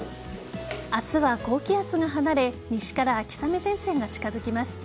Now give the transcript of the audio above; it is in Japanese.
明日は高気圧が離れ西から秋雨前線が近づきます。